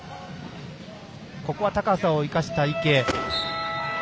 ここは高さを生かした池。